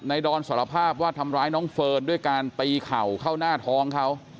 ดอนสารภาพว่าทำร้ายน้องเฟิร์นด้วยการตีเข่าเข้าหน้าท้องเขา